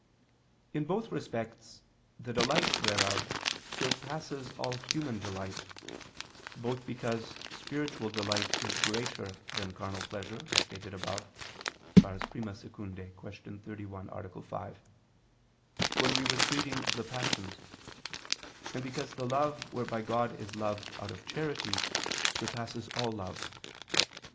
In both respects the delight thereof surpasses all human delight, both because spiritual delight is greater than carnal pleasure, as stated above (I II, Q. 31, A. 5), when we were treating of the passions, and because the love whereby God is loved out of charity surpasses all love.